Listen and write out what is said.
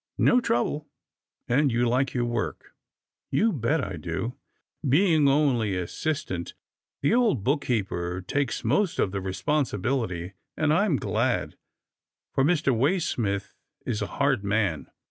" No trouble, and you like your work ?"" You bet I do. Being only assistant, the old book keeper takes most of the responsibility, and I'm glad, for Mr. Waysmith is a hard man."